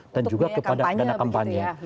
dan juga kepada dana kampanye